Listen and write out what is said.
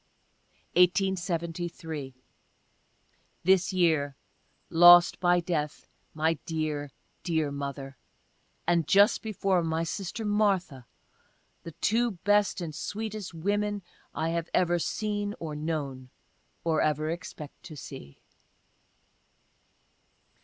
1873. — This year lost, by death, my dear, dear mother — and, just before, my sister Martha — (the two best and sweetest women I have ever seen or known, or ever expect to see.)